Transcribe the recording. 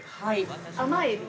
甘エビ。